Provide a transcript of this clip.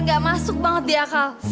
gak masuk banget di akal